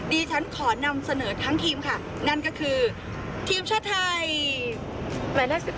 ดิฉันขอนำเสนอทั้งทีมค่ะนั่นก็คือทีมชาติไทย